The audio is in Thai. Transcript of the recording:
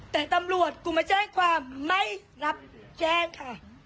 แต่ตำรวจกูมาแจ้งความไม่รับแจ้งค่ะ